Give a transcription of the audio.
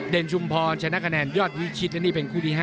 ชุมพรชนะคะแนนยอดวิชิตและนี่เป็นคู่ที่๕